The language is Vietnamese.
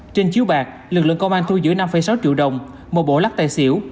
trên chiếu bạc lực lượng công an thu giữ năm sáu triệu đồng một bộ lắc tài xỉu